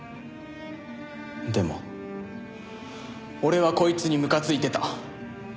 でも俺はこいつにむかついてた。